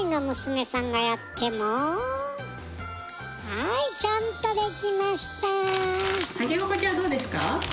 はいちゃんとできました。